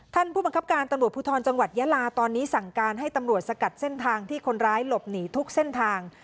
ท่านผู้บังคับการตำรวจภูทรจังหวัดยาลาตอนนี้สั่งการให้ตำรวจสกัดเส้นทางที่คนร้ายหลบหนีทุกเส้นทาง